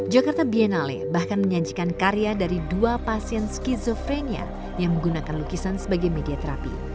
jakarta biennale bahkan menyajikan karya dari dua pasien skizofrenia yang menggunakan lukisan sebagai media terapi